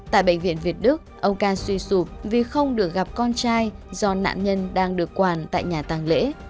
tại bệnh viện việt đức ông ca suy sụp vì không được gặp con trai do nạn nhân đang được quản tại nhà tàng lễ